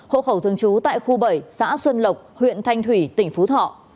hộ khẩu thường trú tại khu bảy xã xuân lộc huyện thanh thủy tỉnh phú thọ